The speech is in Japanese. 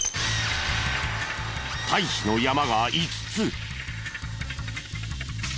堆肥の山が５つ。